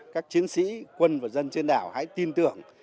các chiến sĩ quân và dân trên đảo hãy tin tưởng